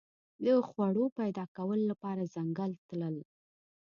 د خوړو پیدا کولو لپاره ځنګل تلل.